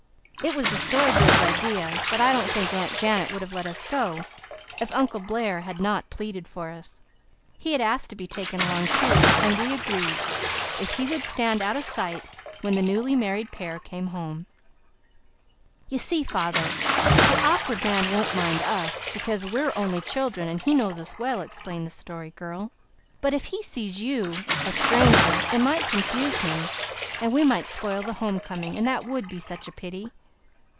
It was the Story Girl's idea, but I don't think Aunt Janet would have let us go if Uncle Blair had not pleaded for us. He asked to be taken along, too, and we agreed, if he would stand out of sight when the newly married pair came home. "You see, father, the Awkward Man won't mind us, because we're only children and he knows us well," explained the Story Girl, "but if he sees you, a stranger, it might confuse him and we might spoil the homecoming, and that would be such a pity."